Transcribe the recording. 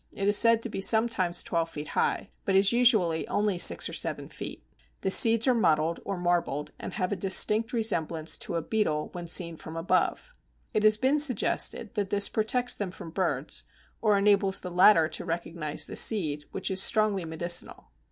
It is said to be sometimes twelve feet high, but is usually only six or seven feet. The seeds are mottled or marbled, and have a distinct resemblance to a beetle when seen from above. It has been suggested that this protects them from birds, or enables the latter to recognize the seed, which is strongly medicinal.